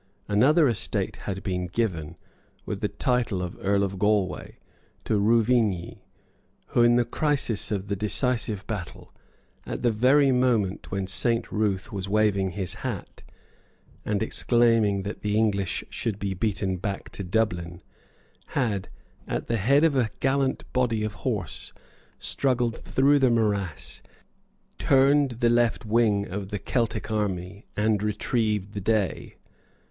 Another estate had been given, with the title of Earl of Galway, to Rouvigny, who, in the crisis of the decisive battle, at the very moment when Saint Ruth was waving his hat, and exclaiming that the English should be beaten back to Dublin, had, at the head of a gallant body of horse, struggled through the morass, turned the left wing of the Celtic army, and retrieved the day.